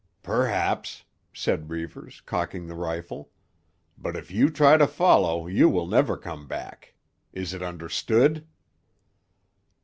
"Perhaps," said Reivers, cocking the rifle. "But if you try to follow you will never come back. Is it understood?"